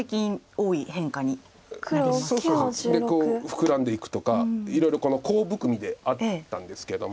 フクラんでいくとかいろいろコウ含みであったんですけども。